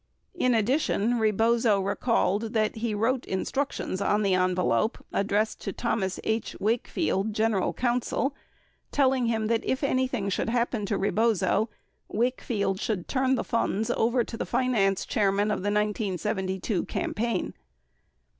In addition, Rebozo recalled that he wrote instructions on the envelope addressed to Thomas H. Wakefield, general counsel, telling him that if anything should happen to Rebozo, Wakefield should turn the funds over to the finance chairman of the 1972 campaign.